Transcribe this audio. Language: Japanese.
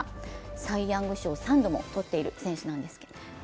サイ・ヤング賞を３度もとっている選手なんですけどね。